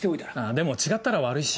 でも違ったら悪いし。